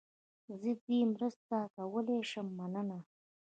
زه دې مرسته کولای شم، مننه.